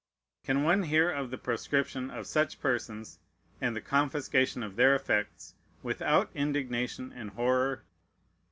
Can one hear of the proscription of such persons, and the confiscation of their effects, without indignation, and horror?